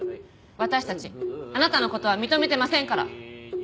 私たちあなたの事は認めてませんから。